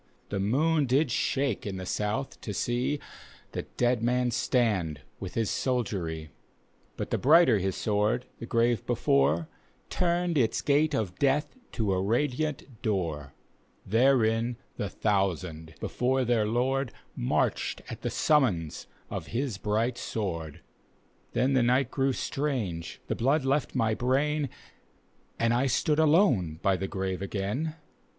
The moon did shake in the soudi to see, llie dead man stand with his soldiery. D,gt,, erihyGOOgle The Haunted Hour But die brighter his sword, the grave before, Tum'd its gate of death to a radiant door. Therein the thousand, before their Lord, Marched at the summons of his bright sword. Then the ni^t grew strange, the blood left my brain, And I stood alone by the grave again.